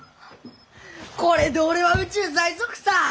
これで俺は宇宙最速さー！